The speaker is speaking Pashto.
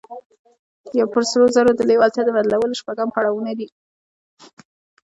پر سرو زرو د لېوالتیا د بدلولو شپږ پړاوونه دي.